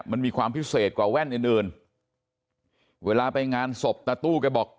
มันมีความพิเศษกว่าแว่นอื่นอื่นเวลาไปงานศพตาตู้แกบอก